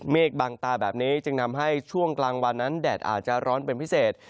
บางตาแบบนี้จึงทำให้ช่วงกลางวันนั้นแดดอาจจะร้อนเป็นพิเศษ